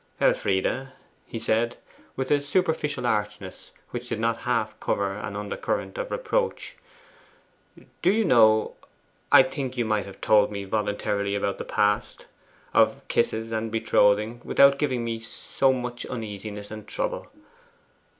'Elfride,' he said, with a superficial archness which did not half cover an undercurrent of reproach, 'do you know, I think you might have told me voluntarily about that past of kisses and betrothing without giving me so much uneasiness and trouble.